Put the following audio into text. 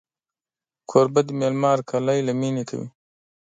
کوربه د مېلمه هرکلی له مینې کوي.